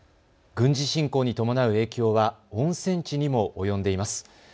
軍事侵攻に伴う影響は温泉地にも及んでいます。